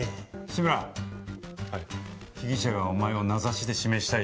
志村はい被疑者がお前を名指しで指名した